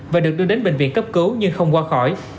và được đưa đến bệnh viện cấp cứu nhưng không qua khỏi